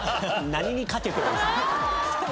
何にかけてるんですか？